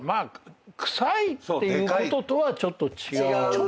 「くさい」っていうこととはちょっと違う。